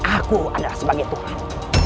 aku adalah sebagai tuhan